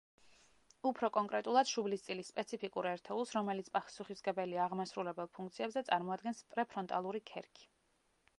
უფრო კონკრეტულად, შუბლის წილის სპეციფიკურ ერთეულს, რომელიც პასუხისმგებელია აღმასრულებელ ფუნქციებზე წარმოადგენს პრეფრონტალური ქერქი.